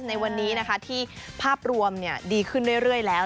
ในวันนี้นะคะที่ภาพรวมดีขึ้นเรื่อยแล้ว